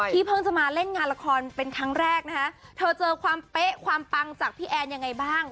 เพิ่งจะมาเล่นงานละครเป็นครั้งแรกนะคะเธอเจอความเป๊ะความปังจากพี่แอนยังไงบ้าง